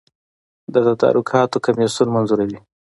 د تدارکاتو کمیسیون منظوروي